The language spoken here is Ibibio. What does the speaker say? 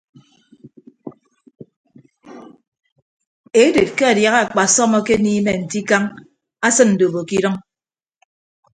Eded ke adiaha akpasọm akeniime nte ikañ asịn ndobo ke idʌñ.